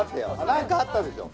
何かあったでしょ